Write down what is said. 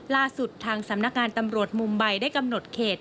ล่าสุดทางสำนักงานตำรวจมุมใบได้กำหนดเขต